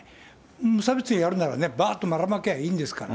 無差別にやるならね、ばーっとばらまきゃいいんですから。